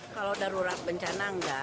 kalau darurat bencana enggak